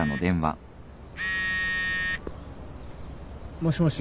もしもし。